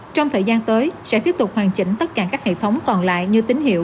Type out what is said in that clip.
trong thời gian tới sẽ tiếp tục hoàn chỉnh tất cả các hệ thống còn lại như tín hiệu